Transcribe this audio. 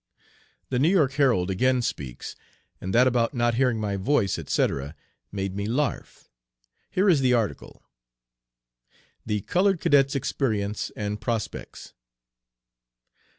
The New York Herald again speaks, and that about not hearing my voice, etc., made me "larf." Here is the article: "THE COLORED CADET'S EXPERIENCE AND PROSPECTS.